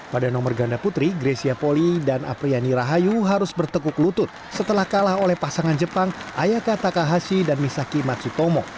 pada nomor ganda putri grecia poli dan apriani rahayu harus bertekuk lutut setelah kalah oleh pasangan jepang ayaka taka hashi dan misaki matsutomo